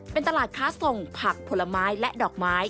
เป็นตลาดค้าส่งผักผลไม้และดอกไม้